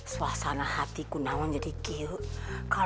suasana hatiku nangang jadi kiuh